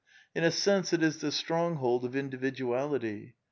In a sense it is the stronghold of individuality.